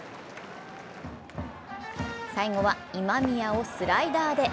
最後は、今宮をスライダーで。